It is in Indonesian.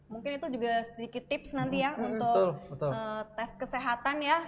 mungkin itu juga sedikit tips nanti ya untuk tes kesehatan ya